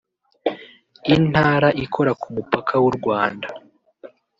Intara ikora ku mupaka w’u Rwanda